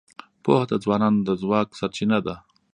پوهه د ځوانانو د ځواک سرچینه ده.